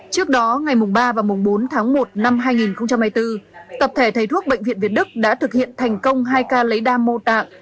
trước đó ngày ba và mùng bốn tháng một năm hai nghìn hai mươi bốn tập thể thầy thuốc bệnh viện việt đức đã thực hiện thành công hai ca lấy đa mô tạng